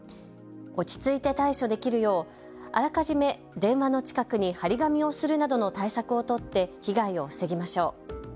落ち着いて対処できるようあらかじめ電話の近くに張り紙をするなどの対策を取って被害を防ぎましょう。